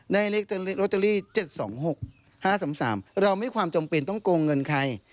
ในเลข๗๒๖๕๓๓เราไม่ความจมเป็นต้องโกงเงินใคร